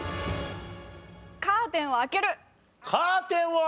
カーテンを開けるどうだ？